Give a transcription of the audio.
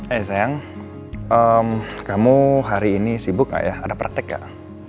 hai sayang kamu hari ini sibuk gak ya ada praktek gak